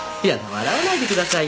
笑わないでください